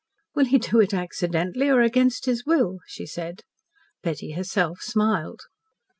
"Will he do it accidentally, or against his will?" she said. Betty herself smiled.